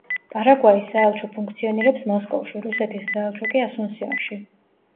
პარაგვაის საელჩო ფუნქციონირებს მოსკოვში, რუსეთის საელჩო კი ასუნსიონში.